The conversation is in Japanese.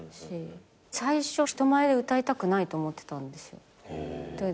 最初人前で歌いたくないと思ってたんですよ。